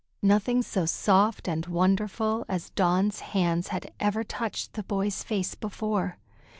Nothing so soft and wonderful as Dawn's hands had ever touched the boy's face before.